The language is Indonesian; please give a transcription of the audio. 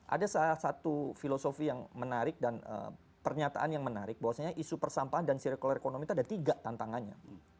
ada salah satu filosofi yang menarik dan pernyataan yang menarik bahwasanya isu persampahan dan circular economy itu ada tiga tantangannya